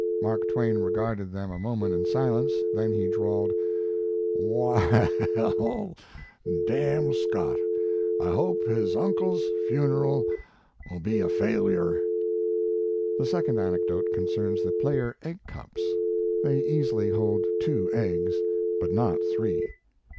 Mark Twain regarded them a moment in silence, then he drawled: "Well , d n Scott. I hope his uncle's funeral will be a failure!" The second anecdote concerns The Player egg cups. They easily hold two eggs, but not three.